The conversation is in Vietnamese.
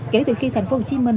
kể từ khi thành phố hồ chí minh